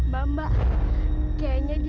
mama kayaknya dia sedang tidur